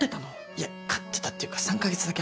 いや飼ってたっていうか３か月だけ預かってた。